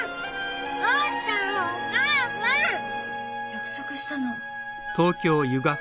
約束したの。